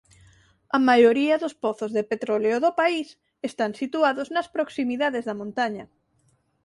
A maioría dos pozos de petróleo do país están situados nas proximidades da montaña.